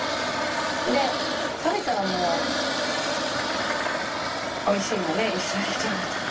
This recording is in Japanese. で食べたらもうおいしいのね一緒に食べたら。